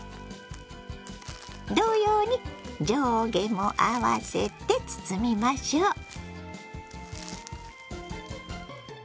同様に上下も合わせて包みましょう。